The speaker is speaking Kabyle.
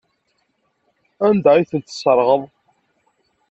Anda ay tent-tesserɣeḍ?